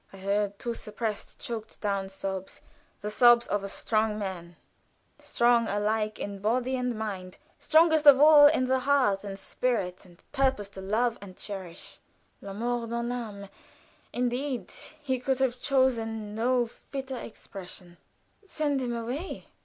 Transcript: I heard two suppressed, choked down sobs the sobs of a strong man strong alike in body and mind; strongest of all in the heart and spirit and purpose to love and cherish. "La mort dans l'âme," indeed! He could have chosen no fitter expression. "Send him away!"